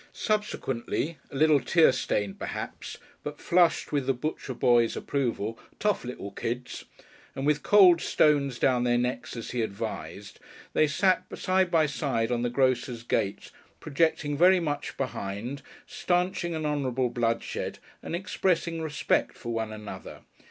Subsequently, a little tear stained perhaps, but flushed with the butcher boy's approval ("tough little kids"), and with cold stones down their necks as he advised, they sat side by side on the doctor's gate, projecting very much behind, staunching an honourable bloodshed, and expressing respect for one another.